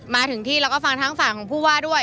มาถึงที่แล้วก็ฟังทั้งฝั่งของผู้ว่าด้วย